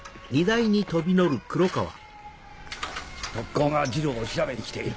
特高が二郎を調べに来てる。